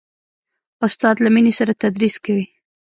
استاد له مینې سره تدریس کوي.